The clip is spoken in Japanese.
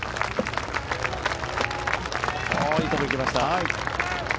いいところにいきました。